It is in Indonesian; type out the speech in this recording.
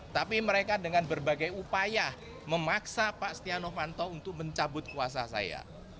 tapi mereka dengan berbagai upaya memaksa pak setia novanto untuk mencabut kuasa saya